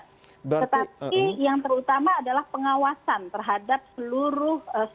tetapi yang terutama adalah pengawasan terhadap seluruh strategi tersebut